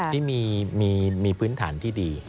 ที่มีพื้นฐานที่ดี